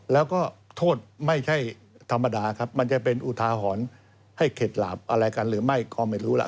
แล้วก็โทษไม่ใช่ธรรมดาครับมันจะเป็นอุทาหรณ์ให้เข็ดหลาบอะไรกันหรือไม่ก็ไม่รู้ล่ะ